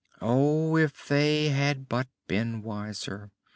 Oh, if they had but been wiser!